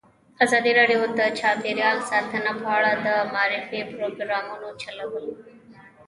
ازادي راډیو د چاپیریال ساتنه په اړه د معارفې پروګرامونه چلولي.